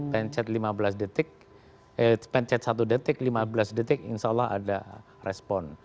pencet lima belas detik pencet satu detik lima belas detik insya allah ada respon